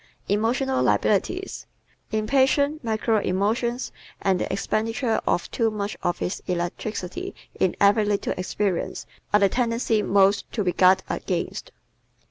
Emotional Liabilities ¶ Impatience, mercurial emotions and the expenditure of too much of his electricity in every little experience are the tendencies most to be guarded against.